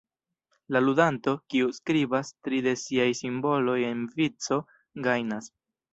La ludanto, kiu skribas tri de siaj simboloj en vico, gajnas.